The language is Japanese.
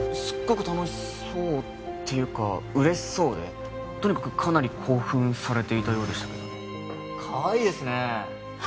すっごく楽しそうっていうか嬉しそうでとにかくかなり興奮されていたようでしたけどかわいいですね